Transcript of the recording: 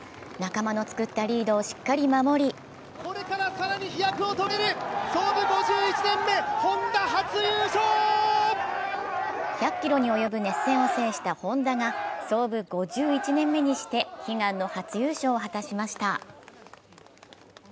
仲間の作ったリードをしっかり守り１００ｋｍに及ぶ熱戦を制したＨｏｎｄａが創部５１年目にして悲願の初優勝を果たしました。